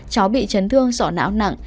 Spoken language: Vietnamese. cháu bị chấn thương sọ não nặng